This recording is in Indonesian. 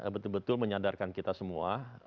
betul betul menyadarkan kita semua